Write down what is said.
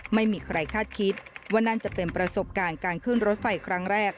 ไม่มีใครคาดคิดว่านั่นจะเป็นประสบการณ์การขึ้นรถไฟครั้งแรก